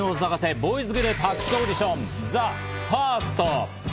ボーイズグループ発掘オーディション、ＴＨＥＦＩＲＳＴ。